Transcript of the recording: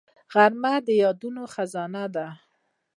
غرمه د یادونو خزانه ده